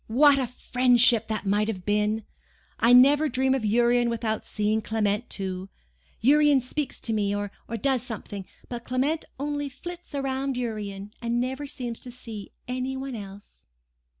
"What a friendship that might have been! I never dream of Urian without seeing Clement too—Urian speaks to me, or does something,—but Clement only flits round Urian, and never seems to see any one else!"